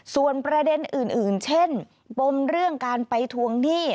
ส่วนประเด็นอื่นเช่นปมเรื่องการไปทวงหนี้